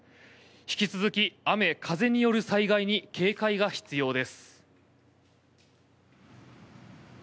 引き続き、雨、風による災害に警戒が必要です。